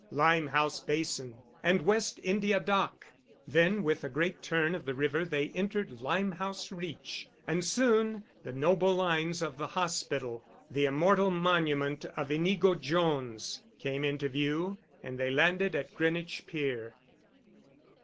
Limehouse Basin, and West India Dock. Then with a great turn of the river they entered Limehouse Reach; and soon the noble lines of the hospital, the immortal monument of Inigo Jones, came into view, and they landed at Greenwich Pier.